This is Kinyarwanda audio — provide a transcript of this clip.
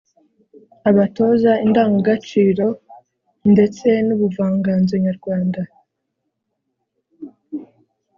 abatoza indangagaciro ndetse n’ubuvanganzo nyarwanda